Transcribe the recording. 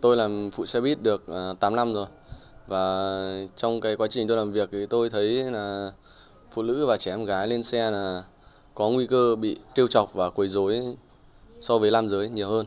tôi làm phụ xe bus được tám năm rồi và trong quá trình tôi làm việc tôi thấy phụ nữ và trẻ em gái lên xe có nguy cơ bị tiêu chọc và quầy dối so với làm dối nhiều hơn